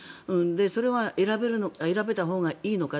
それは選べたほうがいいのか。